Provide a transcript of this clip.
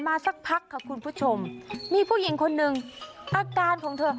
สักพักค่ะคุณผู้ชมมีผู้หญิงคนหนึ่งอาการของเธอ